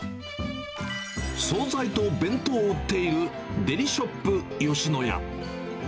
総菜と弁当を売っている、デリショップよしのや。